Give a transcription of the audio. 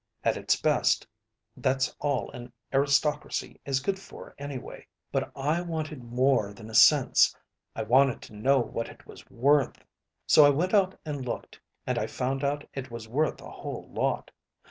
At its best, that's all an aristocracy is good for anyway. But I wanted more than a sense, I wanted to know what it was worth. So I went out and looked, and I found out it was worth a whole lot.